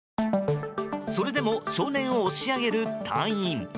それでも少年を押し上げる隊員。